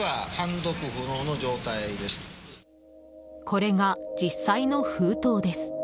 これが実際の封筒です。